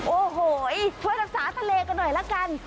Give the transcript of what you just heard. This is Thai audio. โอ้โหช่วยรักษาทะเลกันหน่อยละกัน